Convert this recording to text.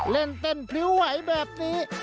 เล่นเต้นพริ้วไหวแบบนี้